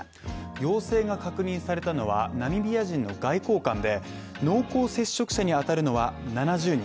陽性が確認されたのは、ナミビア人の外交官で、濃厚接触者に当たるのは７０人。